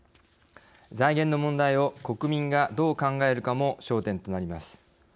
財源の問題を国民がどう考えるかも焦点となります。